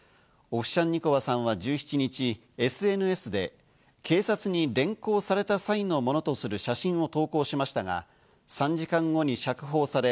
オフシャンニコワさんは１７日、ＳＮＳで警察に連行された際のものとする写真を投稿しましたが、３時間後に釈放され